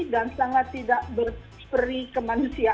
dan sangat tidak berperi kemanusiaan